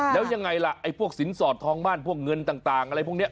แล้วยังไงล่ะไอ้พวกสินสอดทองมั่นพวกเงินต่างอะไรพวกนี้